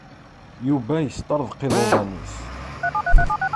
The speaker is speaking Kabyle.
Yuba yesṭeṛḍeq iḍuḍan-is.